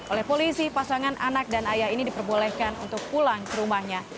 oleh polisi pasangan anak dan ayah ini diperbolehkan untuk pulang ke rumahnya